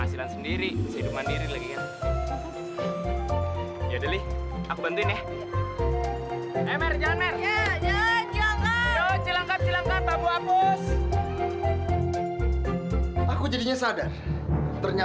sampai jumpa di video selanjutnya